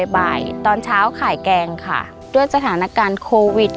บ่ายตอนเช้าขายแกงค่ะด้วยสถานการณ์โควิด